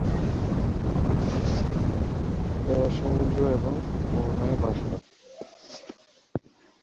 এরা সমুদ্র এবং মােহনায় বাস করে।